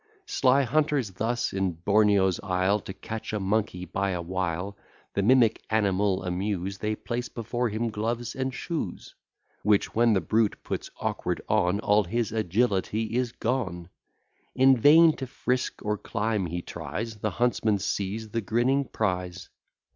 Sly hunters thus, in Borneo's isle, To catch a monkey by a wile, The mimic animal amuse; They place before him gloves and shoes; Which, when the brute puts awkward on: All his agility is gone; In vain to frisk or climb he tries; The huntsmen seize the grinning prize.